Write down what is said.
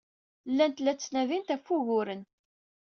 Llant la ttnadint ɣef wuguren.